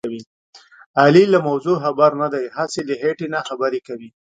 علي له موضوع خبر نه دی. هسې له خېټې نه خبرې کوي.